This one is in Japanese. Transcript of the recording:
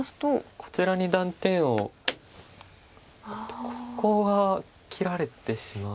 こちらに断点をここが切られてしまう。